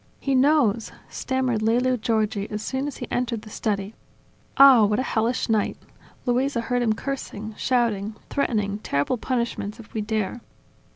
"He knows!" stammered Lelio Giorgi as soon as he entered the study. "Ah, what a hellish night! Luisa heard him cursing, shouting, threatening terrible punishments if we dare."